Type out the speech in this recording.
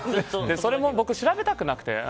それも僕、調べたくなくて。